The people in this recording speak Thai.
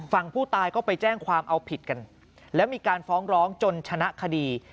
ฝั่งผู้ตายก็ไปแจ้งความเอาผิดกันแล้วมีการฟ้องร้องจนชนะคดี